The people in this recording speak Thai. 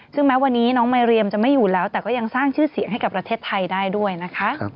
ซึ่งแม้วันนี้น้องมายเรียมจะไม่อยู่แล้วแต่ก็ยังสร้างชื่อเสียงให้กับประเทศไทยได้ด้วยนะคะ